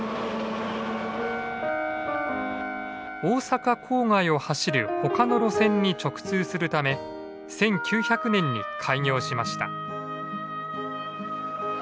大阪郊外を走る他の路線に直通するため１９００年に開業しました。